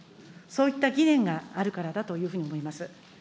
そういった疑念があるからだというふうに思います。